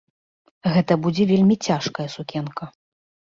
Гэта будзе вельмі цяжкая сукенка.